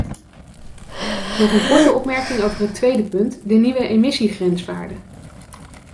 Nog een korte opmerking over het tweede punt, de nieuwe emissiegrenswaarden.